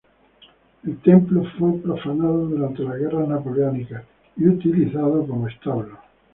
El templo fue profanado durante las guerras napoleónicas y fue utilizado como establo.